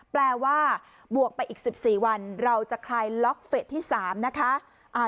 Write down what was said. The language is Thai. แปลว่าบวกไปอีก๑๔วันเราจะคลายล็อกเฟสที่๓นะคะ